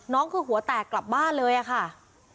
คือหัวแตกกลับบ้านเลยอะค่ะ